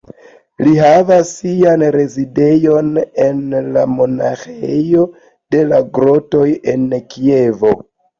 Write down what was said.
Li havas sian rezidejon en la Monaĥejo de la Grotoj de Kievo.